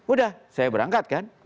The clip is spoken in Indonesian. udah saya berangkat kan